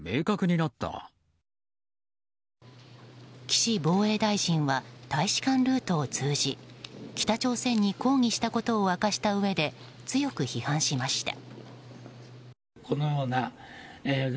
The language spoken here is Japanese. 岸防衛大臣は大使館ルートを通じ北朝鮮に抗議したことを明かしたうえで強く批判しました。